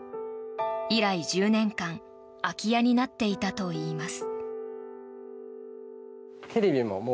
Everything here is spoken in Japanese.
以来１０年間空き家になっていたといいます。